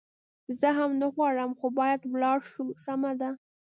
زه هم نه غواړم، خو باید ولاړ شو، سمه ده.